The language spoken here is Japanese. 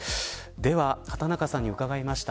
では、畑中さんに伺いました。